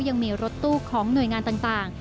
ยังมีรถตู้ของหน่วยงานต่าง